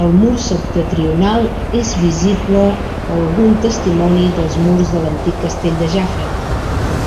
Al mur septentrional és visible algun testimoni dels murs de l'antic castell de Jafre.